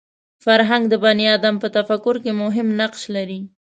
فرهنګ د بني ادم په تفکر کې مهم نقش لري